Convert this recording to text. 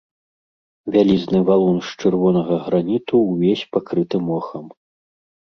Вялізны валун з чырвонага граніту ўвесь пакрыты мохам.